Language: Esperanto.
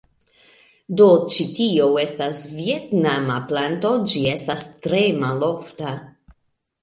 Do, ĉi tio estas vjetnama planto ĝi estas tre malofta